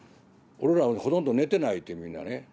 俺らほとんど寝てないってみんなね。